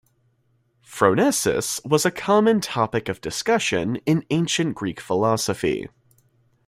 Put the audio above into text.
Phronesis was a common topic of discussion in ancient Greek philosophy.